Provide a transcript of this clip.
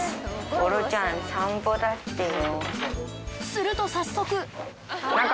ゴロちゃん、散歩だってよ。